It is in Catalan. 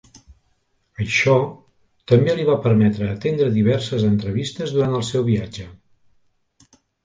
Això també li va permetre atendre diverses entrevistes durant el seu viatge.